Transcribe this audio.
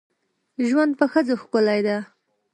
ژوند په ښځو ښکلی ده.